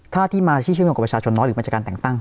ถ้าที่มายิดโยงกับประชาชนน้อยหรือบรรจการแต่งตั้ง